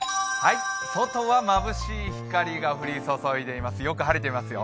外はまぶしい光が降り注いでいます、よく晴れていますよ。